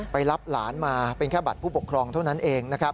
รับหลานมาเป็นแค่บัตรผู้ปกครองเท่านั้นเองนะครับ